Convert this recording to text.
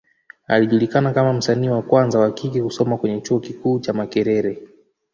Alijulikana kama msanii wa kwanza wa kike kusoma kwenye Chuo kikuu cha Makerere.